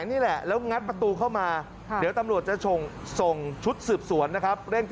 อยู่ไหวผลิปจริงฮัง